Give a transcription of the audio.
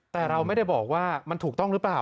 แต่เราไม่ได้บอกว่ามันถูกต้องหรือเปล่า